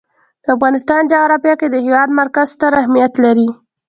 د افغانستان جغرافیه کې د هېواد مرکز ستر اهمیت لري.